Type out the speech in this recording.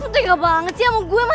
selamat menikmati ya